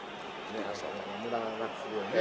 はい無駄をなくするようにね。